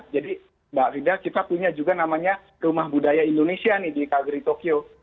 jadi mbak fida kita punya juga namanya rumah budaya indonesia di kageri tokyo